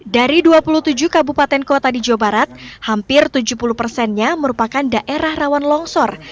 dari dua puluh tujuh kabupaten kota di jawa barat hampir tujuh puluh persennya merupakan daerah rawan longsor